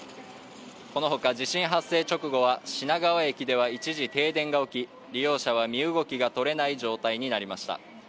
このほか地震発生直後は品川区では一時、停電が起き利用者は身動きが取れない状態になりました。